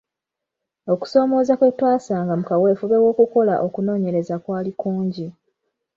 Okusoomooza kwe twasanga mu kaweefube w’okukola okunoonyereza kwali kungi.